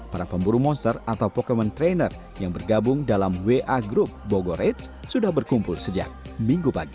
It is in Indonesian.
para pemburu monster atau pokemon trainer yang bergabung dalam wa group bogor age sudah berkumpul sejak minggu pagi